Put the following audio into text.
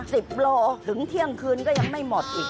๑๐โลกรัมถึงเที่ยงคืนก็ยังไม่หมดอีก